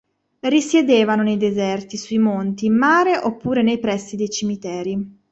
Risiedevano nei deserti, sui monti, in mare oppure nei pressi dei cimiteri.